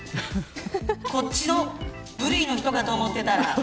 こっちの部類の人かと思ってた。